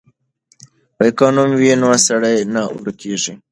که نوم وي نو سړی نه ورکېږي.